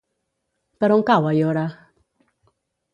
Per on cau Aiora?